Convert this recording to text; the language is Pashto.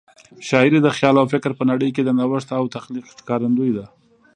شاعري د خیال او فکر په نړۍ کې د نوښت او تخلیق ښکارندوی ده.